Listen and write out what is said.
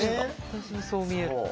私もそう見える。